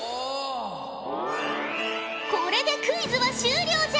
これでクイズは終了じゃ。